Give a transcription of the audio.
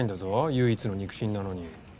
唯一の肉親なのに。